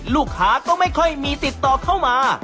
ลูกค้าก็ไม่ค่อยมีติดต่อเข้ามา